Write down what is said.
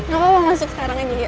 gak apa apa masuk sekarang aja yuk